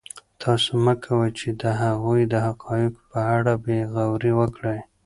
تاسو مه کوئ چې د هغوی د حقایقو په اړه بې غوري وکړئ.